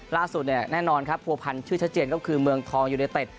ล่าสุดเนี่ยแน่นอนครับผัวพันธ์ชื่อชัดเจนก็คือเมืองทองยูเนเต็ด